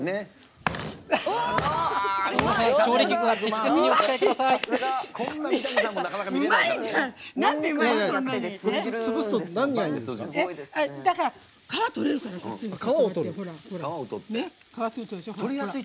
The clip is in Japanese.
調理器具は適切にお使いください！